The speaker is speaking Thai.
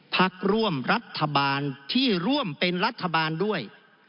พักร่วมรัฐบาลที่ร่วมเป็นรัฐบาลด้วย